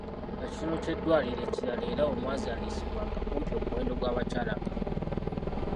Ekitundu ky’eddwaliro ekirala era omwazaalisizibwanga kumpi omuwendo gw’abakyala nga gwe gumu.